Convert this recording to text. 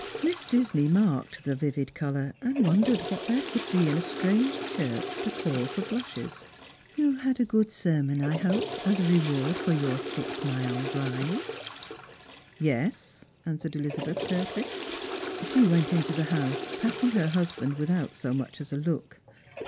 Miss Disney marked the vivid colour, and wondered what there could be in a strange church to call for blushes. " You had a good sermon, I hope, as a reward for your six miles' drive ?"" Yes," answered Elizabeth curtly. She went into the house, passing her husband without so much as a look.